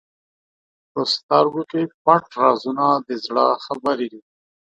په سترګو کې پټ رازونه د زړه خبرې دي.